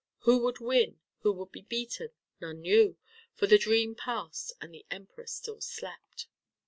Who would win, who would be beaten, none knew, for the dream passed and the Emperor still slept.